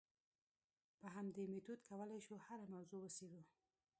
په همدې میتود کولای شو هره موضوع وڅېړو.